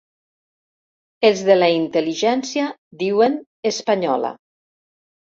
Els de la intel·ligència, diuen, espanyola.